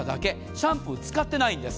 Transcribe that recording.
シャンプー使ってないんです。